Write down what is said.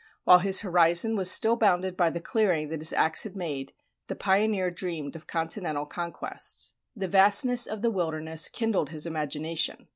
While his horizon was still bounded by the clearing that his ax had made, the pioneer dreamed of continental conquests. The vastness of the wilderness kindled his imagination.